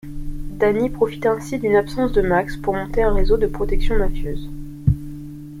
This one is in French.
Danny profite ainsi d'une absence de Max pour monter un réseau de protection mafieuse.